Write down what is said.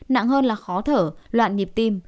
nặng hơn là khó thở loạn nhịp tim